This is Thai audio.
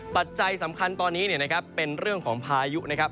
ปัจจัยสำคัญตอนนี้นะครับเป็นเรื่องของพายุนะครับ